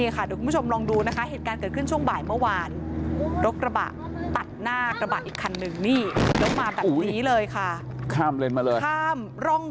คุณผู้ชมลองดูนะคะเหตุการณ์เกิดขึ้น